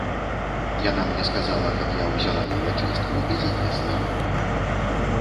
Яна мне сказала, каб я ўзяла яе частку і занесла ёй.